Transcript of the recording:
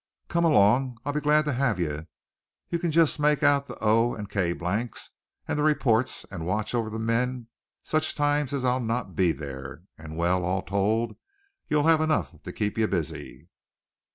"Come along. I'll be glad to have ye. Ye can just make out the O. K. blanks and the repoarts and watch over the min sich times as I'll naat be there and well all told, ye'll have enough to keep ye busy."